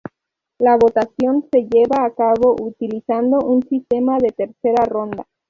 La votación se lleva a cabo utilizando un sistema de tercera ronda.